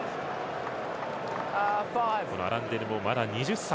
アランデルもまだ２０歳。